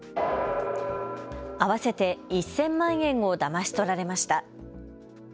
合わせて１０００万円をだまし取られました。